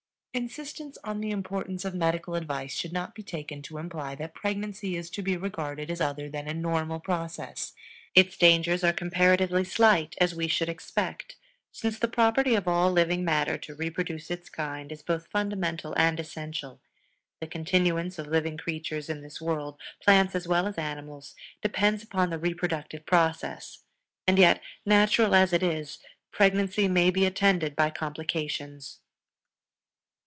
Insistence on the importance of medical advice should not be taken to imply that pregnancy is to be regarded as other than a normal process. Its dangers are comparatively slight, as we should expect, since the property of all living matter to reproduce its kind is both fundamental and essential; the continuance of living creatures in this world, plants as well as animals, depends upon the Reproductive Process. And yet, natural as it is, pregnancy may be attended by complications.